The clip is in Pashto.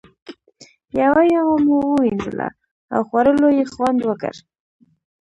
یوه یوه مو ووینځله او خوړلو یې خوند وکړ.